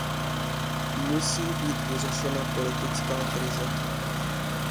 Musí být vyřešena politická krize.